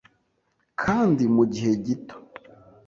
kandi mu gihe gito.